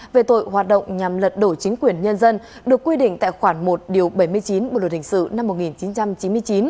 về tội hoạt động nhằm lật đổ chính quyền nhân dân được quy định tại khoản một bảy mươi chín bộ luật hình sự năm một nghìn chín trăm chín mươi chín